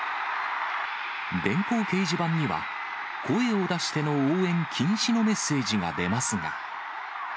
電光掲示板には、声を出しての応援禁止のメッセージが出ますが。